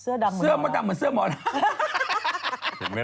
เสื้อดังเหมือนหมอน่าเสื้อดังเหมือนเสื้อหมอน่า